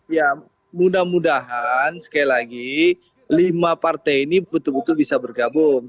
ya mudah mudahan sekali lagi lima partai ini betul betul bisa bergabung